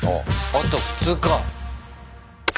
あと２日。